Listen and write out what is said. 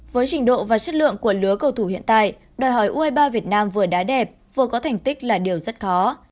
với trình độ và chất lượng của lứa cầu thủ hiện tại đòi hỏi u hai mươi ba việt nam vừa đá đẹp vừa có thành tích là điều rất khó